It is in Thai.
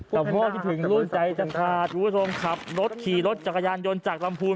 กับพ่อที่ถึงรุ่นใจจำขาดอยู่ในโทรภ์มขับรถขี่รถจักรยานยนต์จากลำพูน